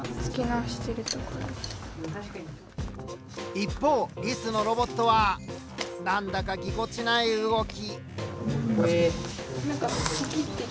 一方リスのロボットは何だかぎこちない動き。